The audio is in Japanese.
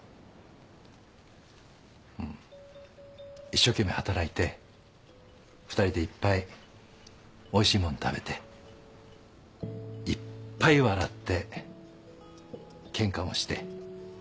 一生懸命働いて２人でいっぱいおいしいもん食べていっぱい笑ってケンカもして。